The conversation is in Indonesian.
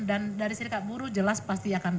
dan dari serikat buru jelas pasti akan